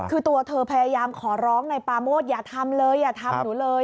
คือตัวเธอพยายามขอร้องนายปาโมทอย่าทำเลยอย่าทำหนูเลย